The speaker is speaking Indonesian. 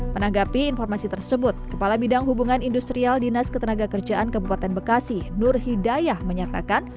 menanggapi informasi tersebut kepala bidang hubungan industrial dinas ketenaga kerjaan kabupaten bekasi nur hidayah menyatakan